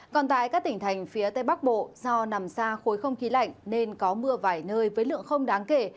còn tại các tỉnh thành phía tây bắc bộ do nằm xa khối không khí lạnh nên có mưa vài nơi với lượng không đáng kể